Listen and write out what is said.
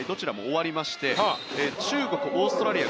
オーストラリア